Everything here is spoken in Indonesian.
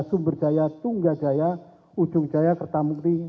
tunggajaya tunggajaya ujungjaya kertamukti